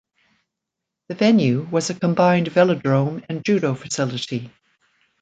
The venue was a combined velodrome and Judo facility.